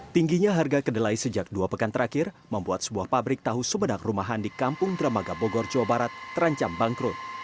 tingginya harga kedelai sejak dua pekan terakhir membuat sebuah pabrik tahu sebenak rumahan di kampung dramaga bogor jawa barat terancam bangkrut